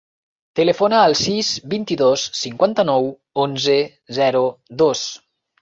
Telefona al sis, vint-i-dos, cinquanta-nou, onze, zero, dos.